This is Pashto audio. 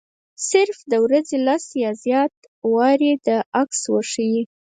صرف د ورځې لس یا زیات وارې دا عکس وښيي.